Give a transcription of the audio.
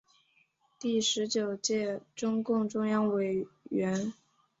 第十九届中共中央委员。